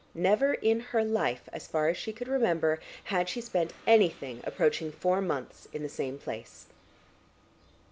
Never in her life, as far as she could remember, had she spent anything approaching four months in the same place.